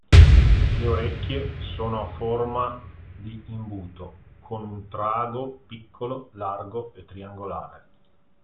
Le orecchie sono a forma di imbuto, con un trago piccolo, largo e triangolare.